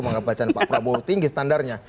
menggabacakan pak prabowo tinggi standarnya